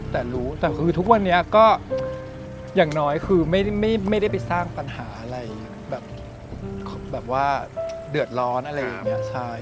แต่รู้แต่คือทุกวันนี้ก็อย่างน้อยคือไม่ได้ไปสร้างปัญหาอะไรแบบว่าเดือดร้อนอะไรอย่างนี้ใช่